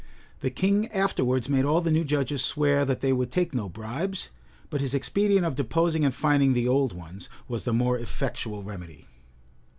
The king afterwards made all the new judges swear that they would take no bribes; but his expedient of deposing and fining the old ones, was the more effectual remedy.